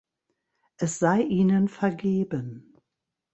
Es sei Ihnen vergeben!